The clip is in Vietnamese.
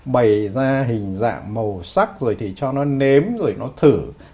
bày ra hình dạng màu sắc rồi thì cho nó nếm rồi nó thử